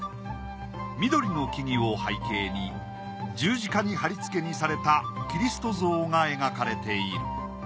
緑の木々を背景に十字架にはりつけにされたキリスト像が描かれている。